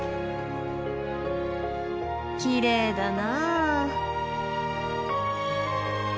きれいだな。